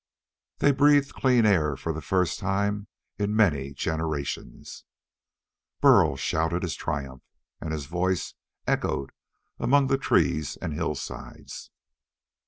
They breathed clean air for the first time in many generations. Burl shouted in his triumph, and his voice echoed among trees and hillsides.